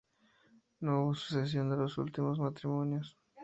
No hubo sucesión de los dos últimos matrimonios.